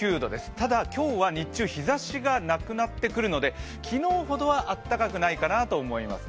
ただ、今日は日中日ざしがなくなってくるので、昨日ほどは暖かくないかなと思いますね。